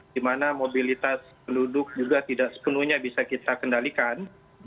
di mana mobilitas penduduk juga tidak sepenuhnya bisa kita kendalikan